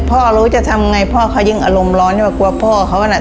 พ่อรู้จะทำไงพ่อเค้ายิ่งอารมณ์ร้อนกว่าพ่อเค้านะ